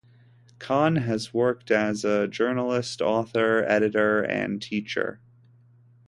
Kahn has worked as a journalist, author, editor, and teacher.